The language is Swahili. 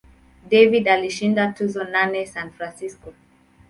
Davis alishinda tuzo nane San Francisco.